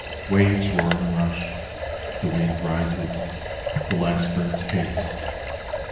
Waves roar and rush. The wind rises. The last birds haste.